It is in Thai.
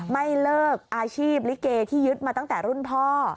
ไม่เลิกอาชีพลิเกที่ยึดมาตั้งแต่รุ่นพ่อ